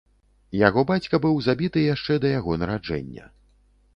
Яго бацька быў забіты яшчэ да яго нараджэння.